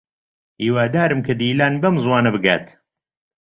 هیوادارم کە دیلان بەم زووانە بگات.